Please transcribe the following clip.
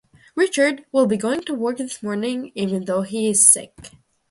Richard will be going to work this morning even though he is sick.